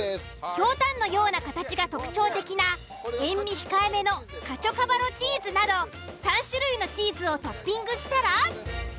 ひょうたんのような形が特徴的な塩味控えめのカチョカバロチーズなど３種類のチーズをトッピングしたら。